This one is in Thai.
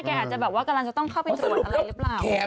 อาจจะแบบว่ากำลังจะต้องเข้าไปตรวจอะไรหรือเปล่า